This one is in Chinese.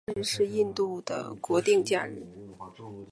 独立日是印度的国定假日。